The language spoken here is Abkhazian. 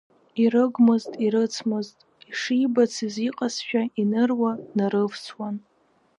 Ирыгмызт, ирыцмызт, ишибацыз иҟазшәа иныруа, днарывсуан.